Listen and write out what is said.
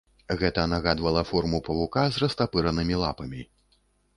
Гэта нагадвала форму павука з растапыранымі лапамі.